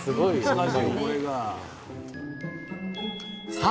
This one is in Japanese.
さあ